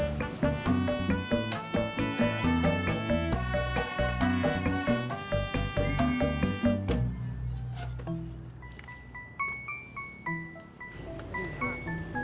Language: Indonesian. terima kasih bang